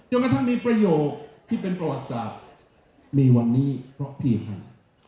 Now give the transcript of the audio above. กระทั่งมีประโยคที่เป็นประวัติศาสตร์มีวันนี้เพราะพี่แทง